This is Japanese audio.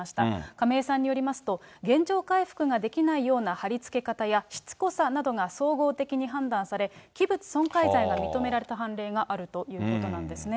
亀井さんによりますと、原状回復ができないような貼り付け方や、しつこさなどが総合的に判断され、器物損壊罪が認められた判例があるということなんですね。